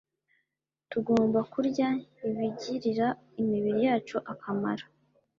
Tugombakurya ibigirira imibiri yacu akamaro